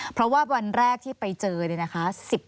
เพราะว่าวันแรกที่ไปเจอเนี่ยนะคะ